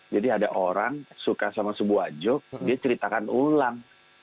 ada orang suka sama sebuah joke dia ceritakan ulang